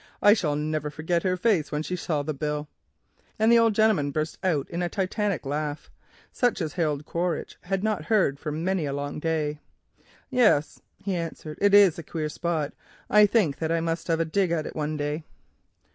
I shall never forget her face when she saw the bill," and the old gentleman burst out into a Titanic laugh, such as Harold Quaritch had not heard for many a long day. "Yes," he answered, "it is a queer spot. I think that I must have a dig at it one day."